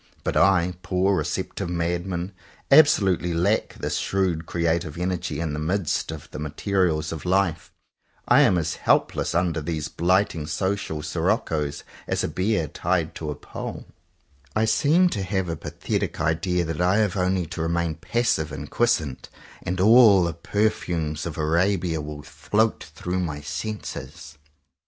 But I, poor receptive madman, absolutely lack this shrewd creative energy in the midst of the materials of life. I am 78 JOHN COWPER POWYS as helpless under these blighting social siroccos as a bear tied to a pole. I seem to have a pathetic idea that I have only to remain passive and quiescent, and all the perfumes of Arabia will float through my senses.